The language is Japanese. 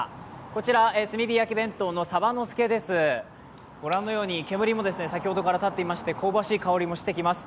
こちら、炭火焼き弁当の鯖の助です御覧のように煙も先ほどから立っていまして香ばしい香りもしてきます。